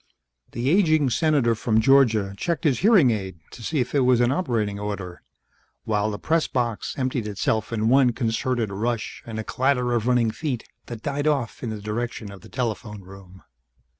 The aging Senator from Georgia checked his hearing aid to see if it was in operating order, while the press box emptied itself in one concerted rush and a clatter of running feet that died off in the direction of the telephone room.